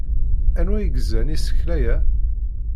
Anwa i yeẓẓan isekla-a?